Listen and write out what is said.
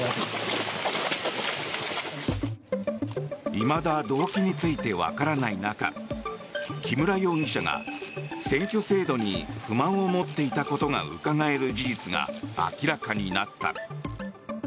いまだ動機についてわからない中木村容疑者が選挙制度に不満を持っていたことがうかがえる事実が明らかになった。